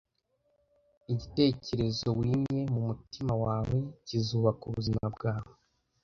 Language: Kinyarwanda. igitekerezo wimye mumutima wawe kizubaka ubuzima bwawe